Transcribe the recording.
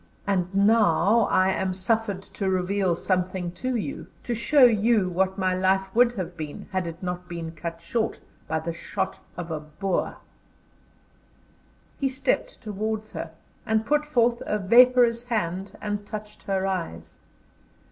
And now I am suffered to reveal something to you: to show you what my life would have been had it not been cut short by the shot of the Boer." He stepped towards her, and put forth a vaporous hand and touched her eyes.